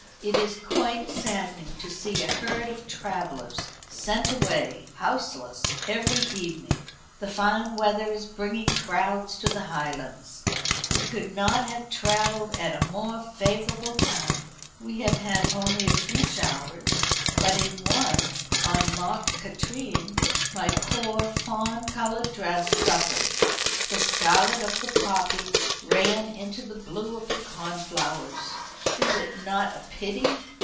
It is quite saddening to see a herd of travellers sent away, houseless, every evening. The fine weather is bringing crowds to the Highlands. We could not have travelled at a more favourable time. We have had only a few showers, but in one, on Loch Katrine, my poor fawn coloured dress suffered. The scarlet of the poppies ran into the blue of the cornflowers. Is it not a pity?